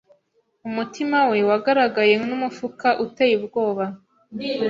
Umutima we wagaragaye n'umufuka uteye ubwoba